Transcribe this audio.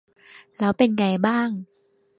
แล้วเป็นไงบ้าง